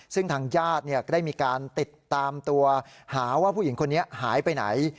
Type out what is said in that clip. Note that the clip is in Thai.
ซึ่งทางญาติได้มีการติดตามตัวหาว่าผู้หญิงคนนี้หายไปไหน